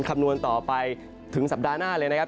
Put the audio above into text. คำนวณต่อไปถึงสัปดาห์หน้าเลยนะครับ